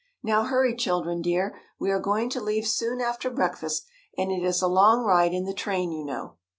"Now hurry, children dear. We are going to leave soon after breakfast, and it is a long ride in the train, you know."